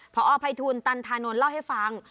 พอภัยทูลตันธานนท์เล่าให้ฟัง